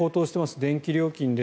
電気料金です。